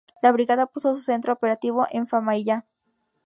La Brigada puso su centro operativo en Famaillá.